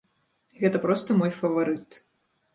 Гэта проста мой фаварыт.